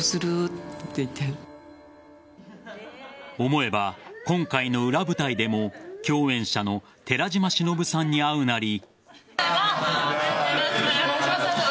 思えば今回の裏舞台でも共演者の寺島しのぶさんに会うなり。